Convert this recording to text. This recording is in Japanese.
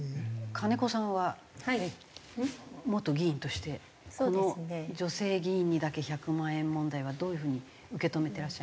金子さんは元議員としてこの女性議員にだけ１００万円問題はどういう風に受け止めてらっしゃいますか？